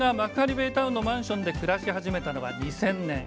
ベイタウンのマンションで暮らし始めたのは２０００年。